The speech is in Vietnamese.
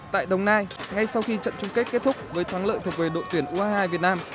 tại đồng nai ngay sau khi trận chung kết kết thúc với thắng lợi thuộc về đội tuyển u hai mươi hai việt nam